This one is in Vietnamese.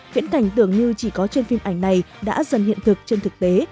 viễn cảnh tưởng như chỉ có trên phim ảnh này đã dần hiện thực trên thực tế